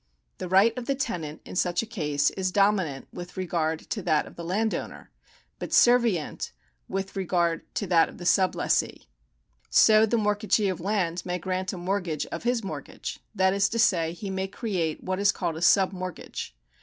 The right of the tenant in such a case is dominant with regard to that of the landowner, but servient with regard to that of the sub lessee. So the mortgagee of land may grant a mortgage of his mortgage ; that is to say, he may create what is called a sub mortgage.